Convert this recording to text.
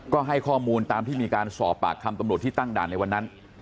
ก็ให้ข้อมูลตามที่มีการสอบปากคำตำรวจที่ตั้งด่านในวันนั้น